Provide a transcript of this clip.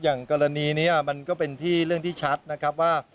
อย่างกรณีนี้มันก็เป็นที่เรื่องชัดว่า